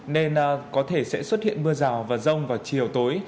nên có thể sẽ xuất hiện mưa rào và rông vào chiều tối